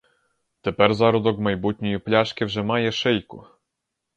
Тепер зародок майбутньої пляшки вже має шийку.